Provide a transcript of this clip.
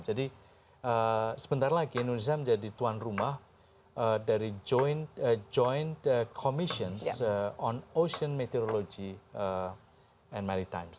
jadi sebentar lagi indonesia menjadi tuan rumah dari joint commission on ocean meteorology and maritime